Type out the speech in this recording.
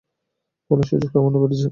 ফলে সূচক সামান্য বেড়েছে।